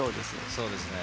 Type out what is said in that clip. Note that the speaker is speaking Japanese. そうですね。